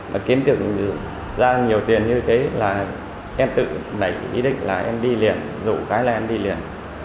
mà kiếm tiền ra nhiều tiền như thế là em tự nảy ý định là em đi liền rủ cái là em đi liền